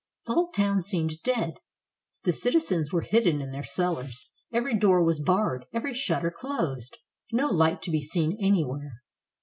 The whole town seemed dead; the citizens were hidden in their cellars. Every door was barred; every shutter closed; no light to be seen anywhere.